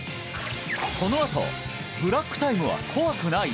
このあとブラックタイムは怖くない？